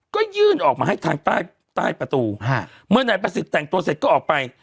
ก็ยื่นออกมาให้ทางใต้ใต้ประตูเมื่อนายประสิทธิ์แต่งตัวเสร็จก็ออกไป